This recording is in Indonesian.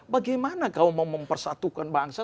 bagaimana kau mau mempersatukan bangsa